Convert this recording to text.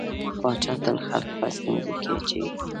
پاچا تل خلک په ستونزو کې اچوي.